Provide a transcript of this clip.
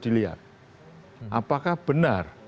dilihat apakah benar